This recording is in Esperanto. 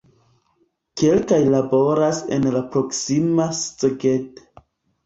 Kelkaj laboras en la proksima Szeged.